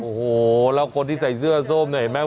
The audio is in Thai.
โอ้โหแล้วคนที่ใส่เสื้อส้มเนี่ยเห็นไหม